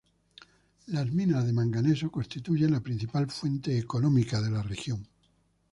Las minas de manganeso constituyen la principal fuente económica de la región.